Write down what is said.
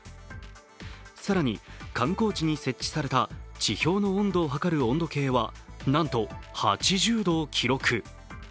更に観光地に設置された地表の温度を測る温度計はなんと８０度を記録。